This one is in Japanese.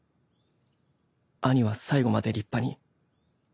兄は最期まで立派に。